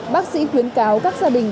bác sĩ khuyến cáo các gia đình